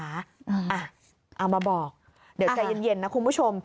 เอามาบอกเดี๋ยวใจเย็นนะคุณผู้ชม